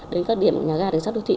đến các điểm nhà gà đường sát đô thị